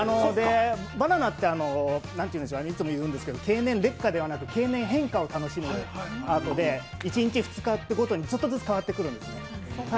バナナって、いつも言うんですけど経年劣化ではなく経年変化を楽しむアートで、１日、２日ごとに、ちょっとずつ変わってくるんです。